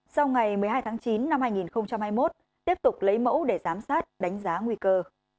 sau ngày một mươi hai tháng chín năm hai nghìn hai mươi một tiếp tục lấy mẫu để giám sát đánh giá nguy cơ